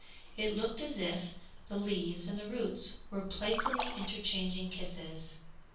It looked as if the leaves and the roots were playfully interchanging kisses.